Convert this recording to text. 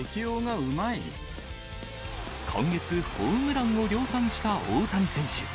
今月、ホームランを量産した大谷選手。